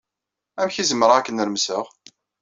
Amek ay zemreɣ ad k-nermseɣ.